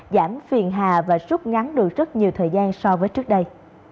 giảm phiền hà và rút ngắn được rất nhiều thời gian so với trước đây